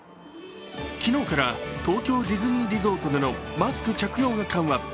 昨日から東京ディズニーリゾートでのマスク着用が緩和。